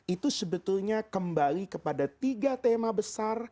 itu sebetulnya kembali kepada tiga tema besar